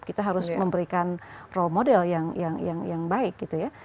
kita harus memberikan role model yang baik gitu ya